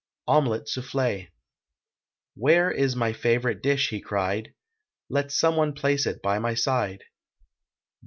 OMELETTE SOUFFLÉ. "Where is my favorite dish?" he cried; "Let some one place it by my side!"